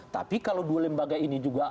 tapi kalau dua lembaga ini juga